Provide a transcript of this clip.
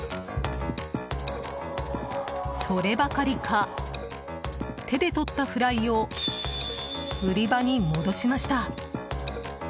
そればかりか手で取ったフライを売り場に戻しました。